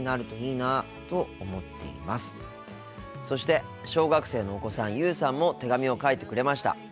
そして小学生のお子さん優羽さんも手紙を書いてくれました。